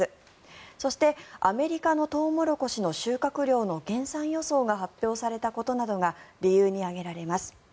そして、アメリカのトウモロコシの収穫量の減産予想が発表されたことなどが理由に挙げられます。